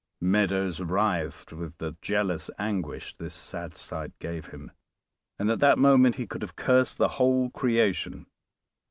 Meadows writhed with the jealous anguish this sad sight gave him, and at that moment he could have cursed the whole creation.